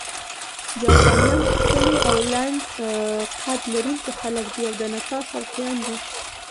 جاپانیان ښکلي او لنډ قد لرونکي خلک دي او د نڅا شوقیان دي.